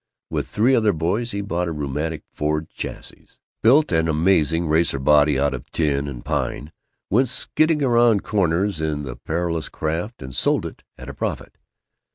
With three other boys he bought a rheumatic Ford chassis, built an amazing racer body out of tin and pine, went skidding round corners in the perilous craft, and sold it at a profit.